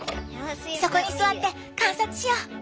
そこに座って観察しよう！